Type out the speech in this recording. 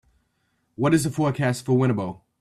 what is the forecast for Winnabow